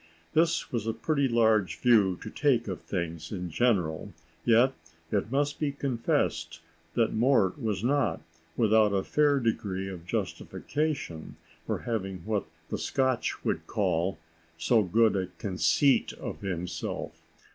This was a pretty large view to take of things in general, yet it must be confessed that Mort was not without a fair degree of justification for having what the Scotch would call so good a conceit of himself.